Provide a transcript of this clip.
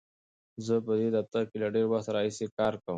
زه په دې دفتر کې له ډېر وخت راهیسې کار کوم.